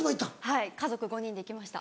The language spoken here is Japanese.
はい家族５人で行きました。